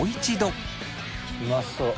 うまそう。